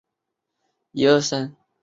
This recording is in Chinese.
草苁蓉为列当科草苁蓉属下的一个种。